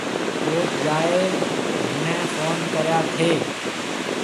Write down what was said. اوٿ جائي مهنَي ڦون ڪريا ٿَي؟